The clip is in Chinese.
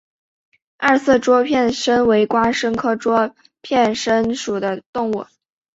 二色桌片参为瓜参科桌片参属的动物。